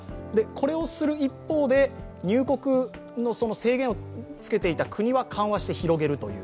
これをする一方で、入国の制限をつけていた国は緩和して広げるという。